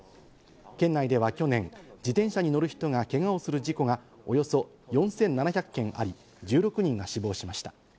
県内では去年、自転車に乗る人がけがをする事故がおよそ４７００件あり、１６人が死亡しました。